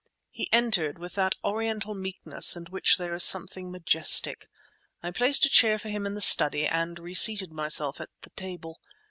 He entered, with that Oriental meekness in which there is something majestic. I placed a chair for him in the study, and reseated myself at the table.